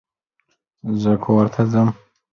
زه کورته ځم.